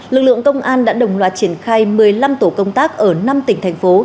lực lượng công an đã đồng loạt triển khai một mươi năm tổ công tác ở năm tỉnh thành phố